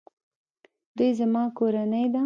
دوی زما کورنۍ ده